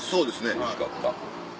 おいしかった。